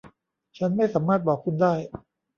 ฉันไม่สามารถบอกคุณได้.